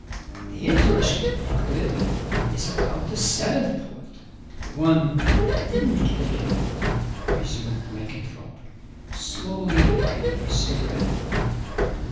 "The interesting part of it is about the seventh pullet, the one that didn't get killed," resumed Blenkinthrope, slowly lighting a cigarette.